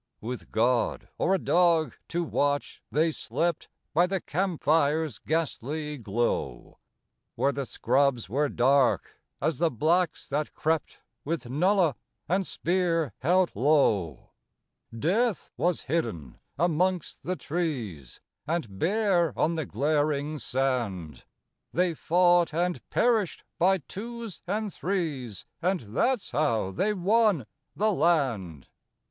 With God, or a dog, to watch, they slept By the camp fires' ghastly glow, Where the scrubs were dark as the blacks that crept With 'nulla' and spear held low; Death was hidden amongst the trees, And bare on the glaring sand They fought and perished by twos and threes And that's how they won the land!